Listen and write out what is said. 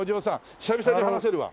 久々に話せるわ。